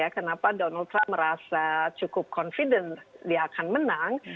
kenapa donald trump merasa cukup confident dia akan menang